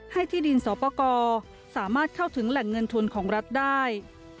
ที่ดินสอปกรสามารถเข้าถึงแหล่งเงินทุนของรัฐได้